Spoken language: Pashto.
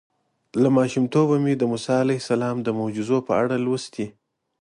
له ماشومتوبه مې د موسی علیه السلام د معجزو په اړه لوستي.